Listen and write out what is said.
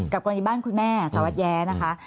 กับกรณีบ้านคุณแม่สละวัดแย้นะคะ